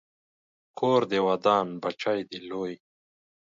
کور دې ودان، بچی دې لوی